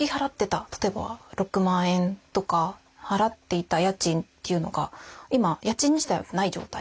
例えば６万円とか払っていた家賃というのが今家賃にしてはない状態。